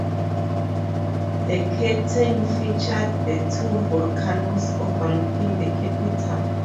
The curtain featured the two volcanoes overlooking the capital.